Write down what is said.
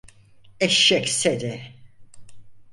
Eşşek seni…